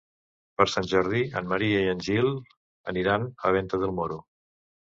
Per Sant Jordi en Maria i en Gil aniran a Venta del Moro.